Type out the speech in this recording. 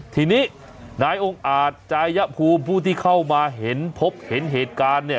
ทีนี้นายองค์อาจจายภูมิผู้ที่เข้ามาเห็นพบเห็นเหตุการณ์เนี่ย